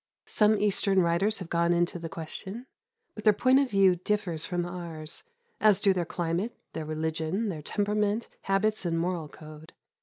Some Eastern writers have gone into the question, but their point of view differs from ours, as do their climate, their religion, their temperament, habits, and moral code.